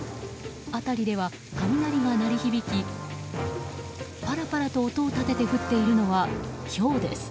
辺りでは雷が鳴り響きパラパラと音を立てて降っているのはひょうです。